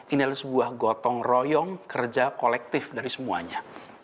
ini adalah sebuah gotong royong kerja kolektif dari semuanya